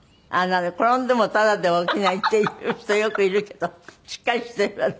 転んでもタダでは起きないっていう人よくいるけどしっかりしているわね。